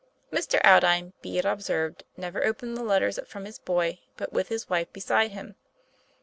Mr. Aldine, be it observed, never opened the letters from his boy but with his wife beside him.